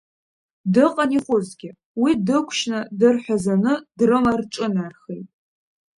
Дыҟан ихәызгьы, уи дықәшьны, дырҳәазаны дрыма рҿынархеит.